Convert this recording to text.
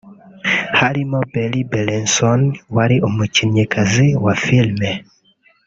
harimo Berry Berenson wari umukinnyikazi wa film